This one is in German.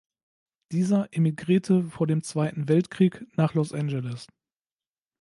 Dieser emigrierte vor dem Zweiten Weltkrieg nach Los Angeles.